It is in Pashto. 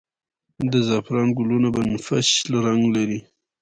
د زعفران ګلونه بنفش رنګ لري